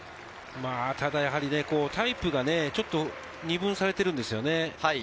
ただやはりタイプが２分されているんですよね。